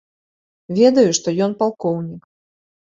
Ведаю, што ён палкоўнік.